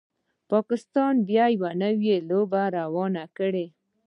پاکستان بیا یوه نوي لوبه روانه کړي